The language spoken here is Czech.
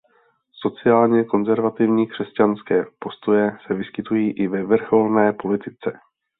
Sociálně konzervativní křesťanské postoje se vyskytují i ve vrcholné politice.